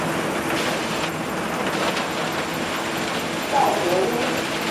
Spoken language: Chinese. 邵伯温。